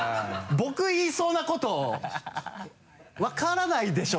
僕言いそうなこと分からないでしょ？